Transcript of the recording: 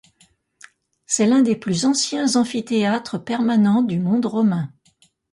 C'est l'un des plus anciens amphithéâtres permanents du monde romain.